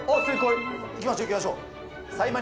いきましょう、いきましょう。